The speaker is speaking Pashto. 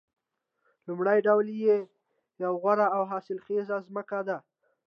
لومړی ډول یې یوه غوره او حاصلخیزه ځمکه ده